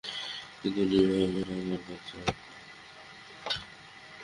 কিন্তু উনি ভাবেন আমরা বাচ্চা।